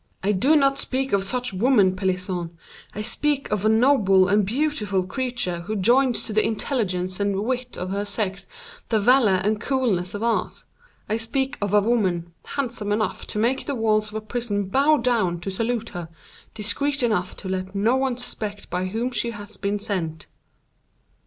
"I do not speak of such women, Pelisson; I speak of a noble and beautiful creature who joins to the intelligence and wit of her sex the valor and coolness of ours; I speak of a woman, handsome enough to make the walls of a prison bow down to salute her, discreet enough to let no one suspect by whom she has been sent."